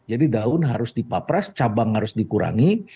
jadi daun harus dipapres cabang harus dikurangi